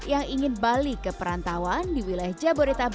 yang ingin balik ke perantauan di wilayah jabodetabek